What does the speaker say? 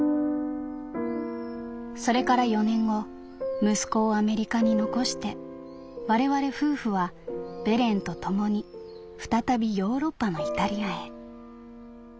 それから４年後息子をアメリカに残して我々夫婦はベレンと共に再びヨーロッパのイタリアへ。